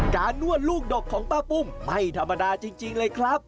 นวดลูกดกของป้าปุ้มไม่ธรรมดาจริงเลยครับ